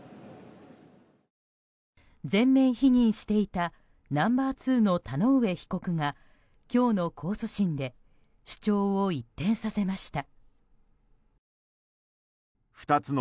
全面否認していたナンバー２の田上被告が今日の控訴審で主張を一転させました。